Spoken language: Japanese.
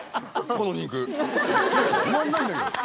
この肉止まんないんだけど。